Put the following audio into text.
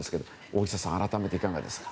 大下さん、改めていかがですか？